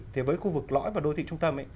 thì với khu vực lõi và đô thị trung tâm ấy